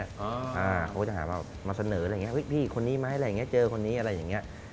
เขาก็จะหาว่ามาเสนออะไรอย่างนี้พี่คนนี้ไหมอะไรอย่างนี้เจอคนนี้อะไรอย่างนี้